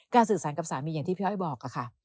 สื่อสารกับสามีอย่างที่พี่อ้อยบอกค่ะ